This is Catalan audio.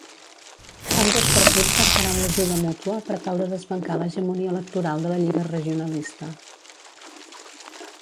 Ambdós partits cercaren l'ajuda mútua per tal de desbancar l'hegemonia electoral de la Lliga Regionalista.